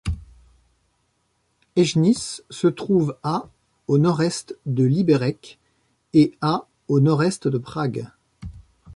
Hejnice se trouve à au nord-est de Liberec et à au nord-est de Prague.